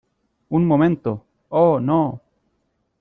Un momento. ¡ oh, no!